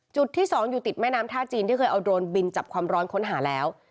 จุดที่๒อยู่ติดแม่น้ำท่าจีนที่เคยเอาโดรนบินจับความร้อนค้นหาแล้ว